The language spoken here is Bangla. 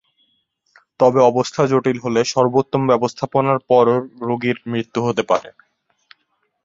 তবে অবস্থা জটিল হলে সর্বোত্তম ব্যবস্থাপনার পরও রোগীর মৃত্যু হতে পারে।